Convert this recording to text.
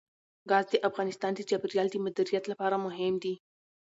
ګاز د افغانستان د چاپیریال د مدیریت لپاره مهم دي.